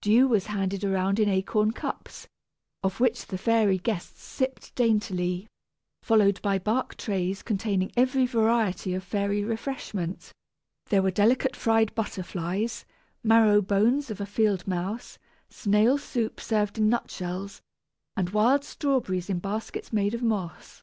Dew was handed around in acorn cups, of which the fairy guests sipped daintily, followed by bark trays containing every variety of fairy refreshment. There were delicate fried butterflies, marrow bones of a field mouse, snail soup served in nutshells, and wild strawberries in baskets made of moss.